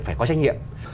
phải có trách nhiệm